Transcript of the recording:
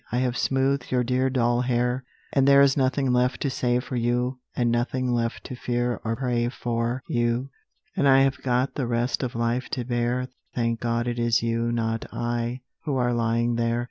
I have smoothed your dear dull hair, And there is nothing left to say for you And nothing left to fear or pray for you; And I have got the rest of life to bear: Thank God it is you, not I, who are lying there.